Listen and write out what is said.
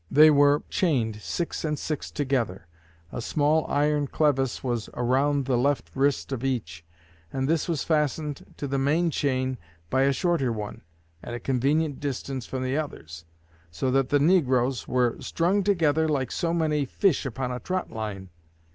They were chained six and six together; a small iron clevis was around the left wrist of each, and this was fastened to the main chain by a shorter one, at a convenient distance from the others, so that the negroes were strung together like so many fish upon a trot line.